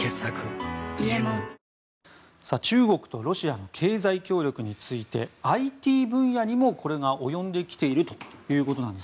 中国とロシアの経済協力についてＩＴ分野にも及んできているということなんです。